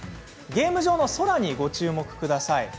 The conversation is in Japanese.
ゲーム上の空に注目してください。